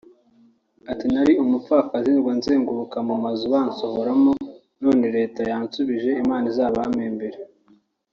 ati “ Nari umupfakazi nirirwa nzenguruka mu mazu bansohoramo none Leta yaransubije Imana izabampembere